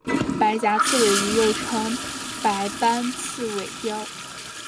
白颊刺尾鱼又称白斑刺尾鲷。